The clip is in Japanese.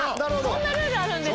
そんなルールあるんですか。